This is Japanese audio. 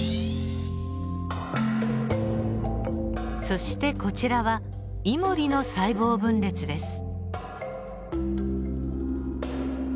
そしてこちらはイモリの細胞分裂です。